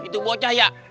itu bocah ya